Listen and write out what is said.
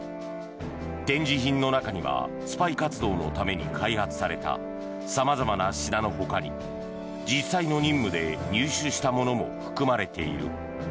展示品の中にはスパイ活動のために開発された様々な品のほかに実際の任務で入手したものも含まれている。